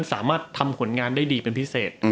สามารถทำผลงานได้ดีเป็นพิเศษ